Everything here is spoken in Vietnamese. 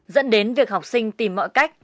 dẫn đến việc học sinh tìm mọi cách